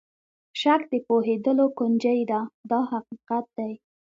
شک د پوهېدلو کونجۍ ده دا حقیقت دی.